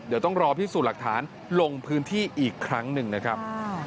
เดี๋ยวต้องรอพิสูจน์หลักฐานลงพื้นที่อีกครั้งหนึ่งนะครับ